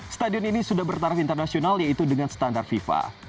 stadion ini sudah bertaraf internasional yaitu dengan standar fifa